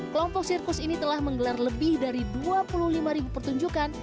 kelompok sirkus ini telah menggelar lebih dari dua puluh lima ribu pertunjukan